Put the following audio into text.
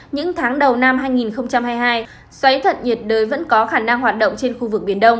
những tháng đầu năm hai nghìn hai mươi hai xoáy thuận nhiệt đới vẫn có khả năng hoạt động trên khu vực